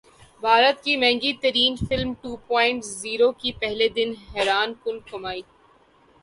بھارت کی مہنگی ترین فلم ٹو پوائنٹ زیرو کی پہلے دن حیران کن کمائی